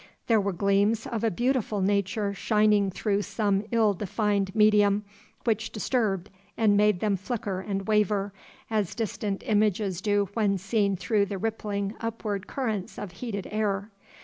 There were gleams of a beautiful nature shining through some ill defined medium which disturbed and made them flicker and waver, as distant images do when seen through the rippling upward currents of heated air.